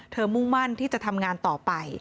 มุ่งมั่นที่จะทำงานต่อไป